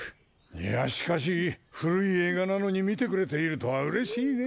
いやしかしふるいえいがなのにみてくれているとはうれしいねえ！